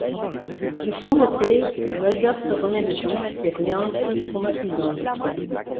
De son côté, Mulder se remet de son expérience traumatisante.